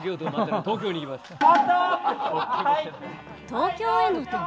東京への旅。